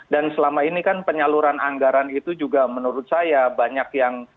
dan selama ini kan penyaluran anggaran itu juga menurut saya banyak yang